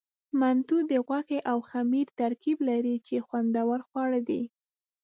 منتو د غوښې او خمیر ترکیب لري، چې خوندور خواړه دي.